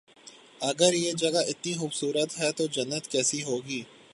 اگر یہ جگہ اتنی خوب صورت ہے تو جنت کیسی ہو گی